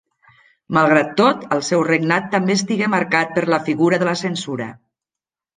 Malgrat tot, el seu regnat també estigué marcat per la figura de la censura.